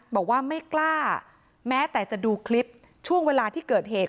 บอกว่าไม่กล้าแม้แต่จะดูคลิปช่วงเวลาที่เกิดเหตุ